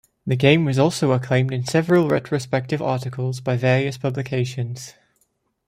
The game was also acclaimed in several retrospective articles by various publications.